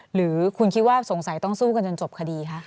หรือคุณคิดว่าสงสัยต้องสู้กันจนจบคดีคะ